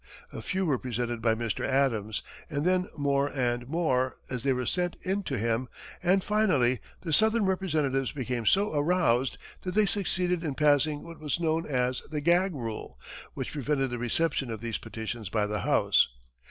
A few were presented by Mr. Adams, and then more and more, as they were sent in to him, and finally the southern representatives became so aroused, that they succeeded in passing what was known as the "gag rule," which prevented the reception of these petitions by the House.